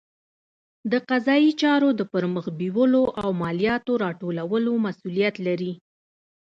د قضایي چارو د پرمخ بیولو او مالیاتو راټولولو مسوولیت لري.